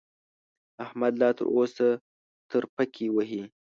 احمد لا تر اوسه ترپکې وهي.